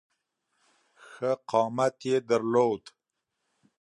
ښه قامت یې درلود.